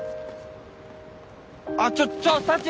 あっちょっちょサチ！